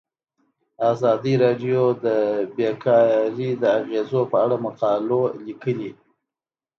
ازادي راډیو د بیکاري د اغیزو په اړه مقالو لیکلي.